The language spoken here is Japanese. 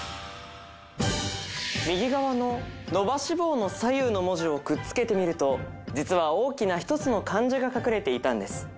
右側の伸ばし棒の左右の文字をくっつけてみると実は大きな一つの漢字が隠れていたんです